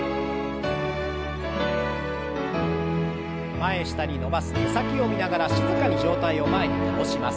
前下に伸ばす手先を見ながら静かに上体を前に倒します。